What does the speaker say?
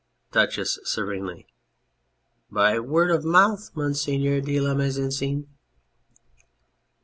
DUCHESS (serenely). By word of mouth, Monsieur de la Mise en Scene.